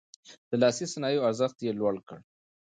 د لاس صنايعو ارزښت يې لوړ کړ.